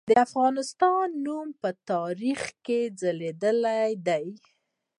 د افغانستان نوم په تاریخ کې ځلیدلی دی.